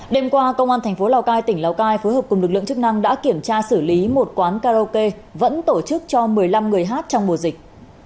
đêm qua công an thành phố lào cai tỉnh lào cai phối hợp cùng lực lượng chức năng đã kiểm tra xử lý một quán karaoke vẫn tổ chức cho một mươi năm người hát trong mùa dịch